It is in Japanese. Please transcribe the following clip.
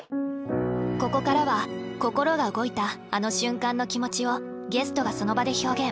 ここからは心が動いたあの瞬間の気持ちをゲストがその場で表現。